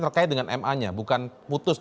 terkait dengan ma nya bukan putus